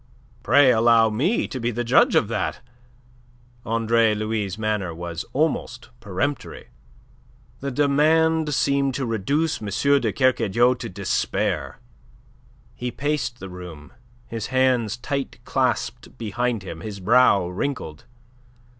"Pray allow me to be the judge of that." Andre Louis' manner was almost peremptory. The demand seemed to reduce M. de Kercadiou to despair. He paced the room, his hands tight clasped behind him, his brow wrinkled.